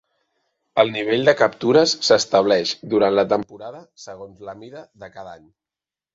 El nivell de captures s'estableix durant la temporada segons la mida de cada any.